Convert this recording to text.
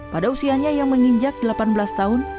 pada usianya yang menginjak delapan belas tahun